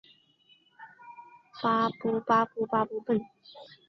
致密硬皮腹菌是属于地星目硬皮腹菌科硬皮腹菌属的一种担子菌。